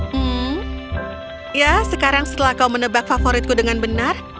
hmm ya sekarang setelah kau menebak favoritku dengan benar